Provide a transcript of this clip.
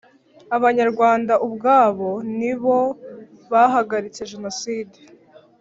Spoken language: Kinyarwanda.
abanyarwanda ubwabo ni bo bahagaritse jenoside